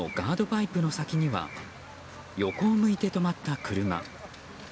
パイプの先には横を向いて止まった車。